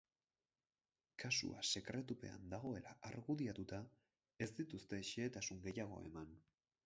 Kasua sekretupean dagoela argudiatuta ez dituzte xehetasun gehiago eman.